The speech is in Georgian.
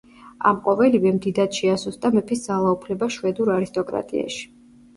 ამ ყოველივემ დიდად შეასუსტა მეფის ძალაუფლება შვედურ არისტოკრატიაში.